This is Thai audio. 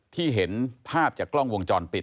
ที่เห็นภาพจากกล้องวงจรปิด